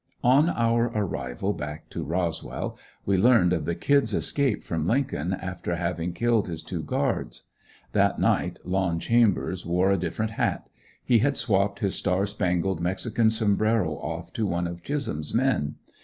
On our arrival back to Roswell we learned of the "Kid's" escape from Lincoln after having killed his two guards. That night Lon Chambers wore a different hat; he had swapped his star spangled mexican sombraro off to one of Chisholm's men.